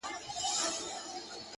خو زه،